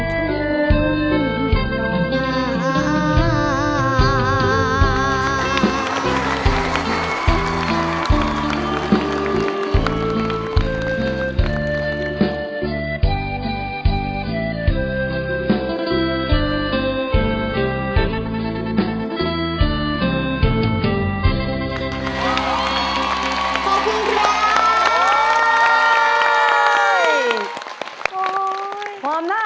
ทุ่มห่าง